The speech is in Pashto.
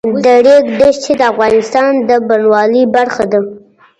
د ریګ دښتې د افغانستان د بڼوالۍ برخه ده.